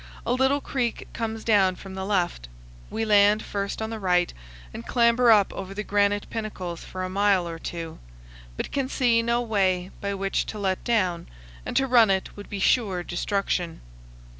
A little creek comes down from the left. We land first on the right and clamber up over the granite pinnacles for a mile or two, but can see no way by which to let down, and to run it would be sure destruction.